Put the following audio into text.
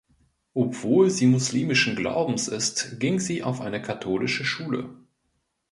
Obwohl sie muslimischen Glaubens ist, ging sie auf eine katholische Schule.